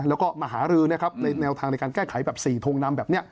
แล้วก็มหารือในแนวทางในการแก้ไขแบบสี่ทงน้ำแบบนี้